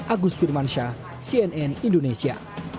agus firman syah cnn indonesia